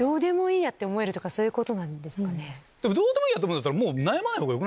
でもどうでもいいやって思うんだったら。